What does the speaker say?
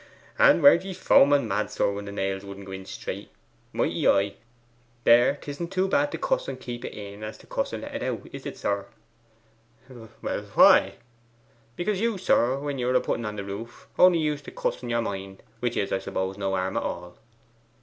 And weren't ye foaming mad, sir, when the nails wouldn't go straight? Mighty I! There, 'tisn't so bad to cuss and keep it in as to cuss and let it out, is it, sir?' 'Well why?' 'Because you, sir, when ye were a putting on the roof, only used to cuss in your mind, which is, I suppose, no harm at all.